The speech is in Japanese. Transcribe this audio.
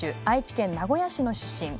愛知県名古屋市の出身。